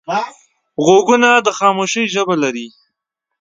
غوږونه د خاموشۍ ژبه لري